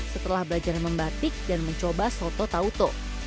setelah belajar membatik dan mencoba soto tauto